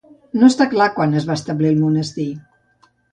No està clar quan es va establir el monestir.